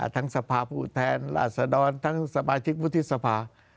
ทั้งสภาผู้แทนราชดรตั้งสมาชิกวุธิสภา